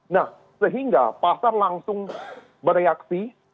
nah sehingga pasar langsung bereaksi